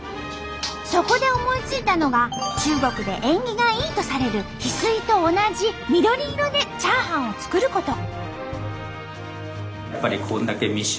そこで思いついたのが中国で縁起がいいとされる翡翠と同じ緑色でチャーハンを作ること。